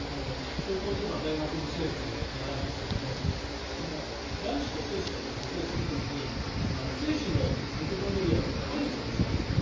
高校とか大学の生物で習うんですが卵子と精子が受精する時に精子のミトコンドリアというのは排除されちゃうんですね。